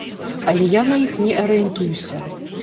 Але я на іх не арыентуюся.